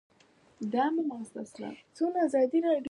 ازادي راډیو د ترانسپورټ په اړه په ژوره توګه بحثونه کړي.